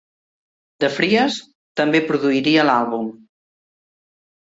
DeFries també produiria l'àlbum.